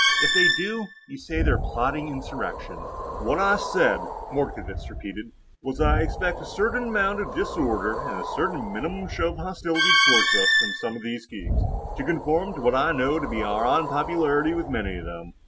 If they do, you say they're plotting insurrection." "What I said," Mordkovitz repeated, "was that I expect a certain amount of disorder, and a certain minimum show of hostility toward us from some of these geeks, to conform to what I know to be our unpopularity with many of them.